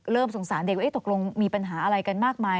สงสารเด็กว่าตกลงมีปัญหาอะไรกันมากมาย